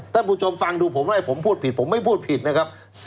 ท่านผู้ชมฟังดูผมให้ผมพูดผิดผมไม่พูดผิดนะครับ